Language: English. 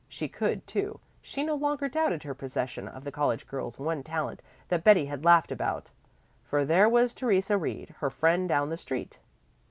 She could, too she no longer doubted her possession of the college girl's one talent that Betty had laughed about. For there was Theresa Reed, her friend down the street.